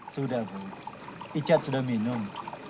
sudah bu icat sudah minum